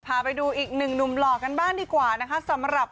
พาไปดูอีกหนึ่งหนุ่มหล่อกันบ้างดีกว่านะคะสำหรับ